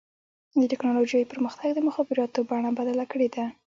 د ټکنالوجۍ پرمختګ د مخابراتو بڼه بدله کړې ده.